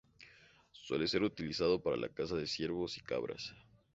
Suele ser utilizado para la caza de ciervos y cabras.